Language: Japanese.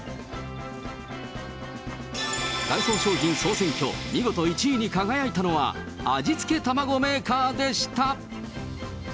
ダイソー商品総選挙、見事１位に輝いたのは、味付けたまごメーカーでした。